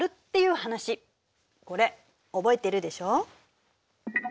これ覚えているでしょう。